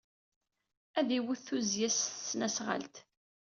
Ad d-iwet tuzzya s tesnasɣalt.